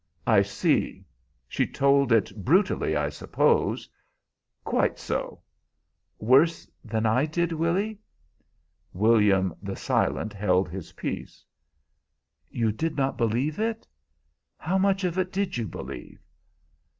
"I see. She told it brutally, I suppose?" "Quite so." "Worse than I did, Willy?" William the Silent held his peace. "You did not believe it? How much of it did you believe?"